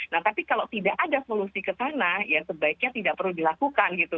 nah tapi kalau tidak ada solusi ke sana ya sebaiknya tidak perlu dilakukan gitu